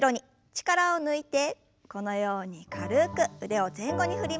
力を抜いてこのように軽く腕を前後に振りましょう。